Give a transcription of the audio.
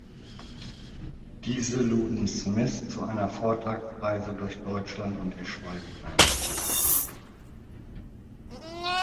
Diese luden Smith zu einer Vortragsreise durch Deutschland und die Schweiz ein.